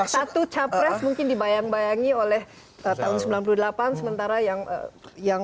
satu capres mungkin dibayang bayangi oleh tahun sembilan puluh delapan sementara yang yang